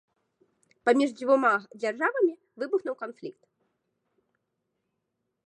Паміж дзвюма дзяржавамі выбухнуў канфлікт.